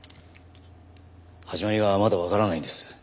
始まりがまだわからないんです。